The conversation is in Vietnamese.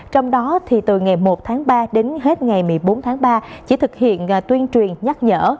trong đó từ ngày một tháng ba đến hết ngày một mươi bốn tháng ba chỉ thực hiện tuyên truyền nhắc nhở